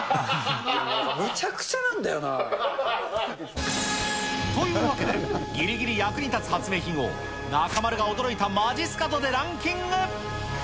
むちゃくちゃなんだよな。というわけで、ギリギリ役に立つ発明品を、中丸が驚いたまじっすか度でランキング。